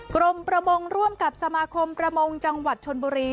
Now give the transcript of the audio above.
กรมประมงร่วมกับสมาคมประมงจังหวัดชนบุรี